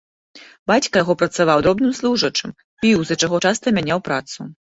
Бацька яго працаваў дробным служачым, піў, з-за чаго часта мяняў працу.